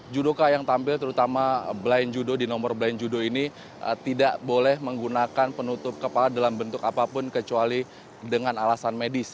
judoka yang tampil terutama blind judo di nomor blind judo ini tidak boleh menggunakan penutup kepala dalam bentuk apapun kecuali dengan alasan medis